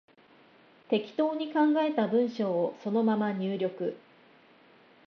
適当に考えた文章をそのまま入力